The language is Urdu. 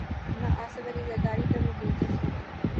نہ آصف علی زرداری کبھی بولتے تھے۔